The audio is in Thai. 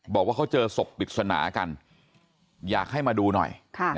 บอกว่าเขาเจอศพปริศนากันอยากให้มาดูหน่อย